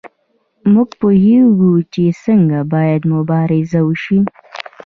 موږ پوهیږو چې څنګه باید مبارزه وشي.